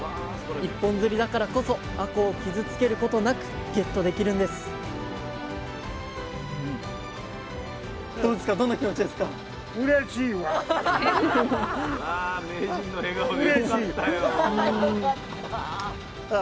一本釣りだからこそあこうを傷つけることなくゲットできるんですわよかった！